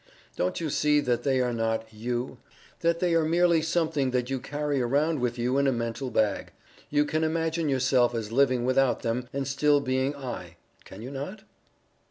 Don't you see that they are not "You" that they are merely something that you carry around with you in a mental bag. You can imagine yourself as living without them, and still being "I," can you not?